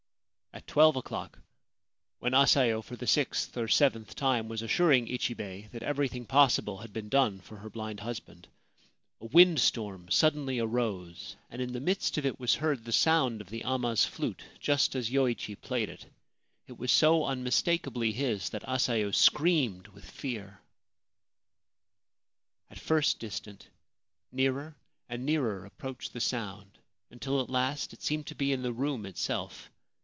At twelve o'clock, when Asayo for the sixth or seventh time was assuring Ichibei that everything possible had been done for her blind husband, a wind storm suddenly arose, and in the midst of it was heard the sound of the amma's flute, just as Yoichi played it ; it was so unmistakably his that Asayo screamed with fear. At first distant, nearer and nearer approached the sound, until at last it seemed to be in the room itself.